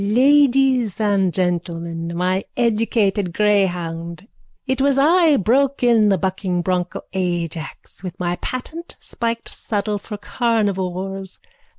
_ Ladies and gentlemen, my educated greyhound. It was I broke in the bucking broncho Ajax with my patent spiked saddle for carnivores.